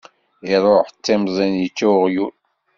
Iruḥ d timẓin yečča uɣyul.